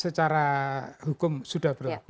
secara hukum sudah berlaku